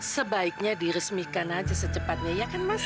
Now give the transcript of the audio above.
sebaiknya diresmikan aja secepatnya ya kan mas